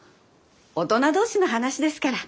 大人同士の話ですから。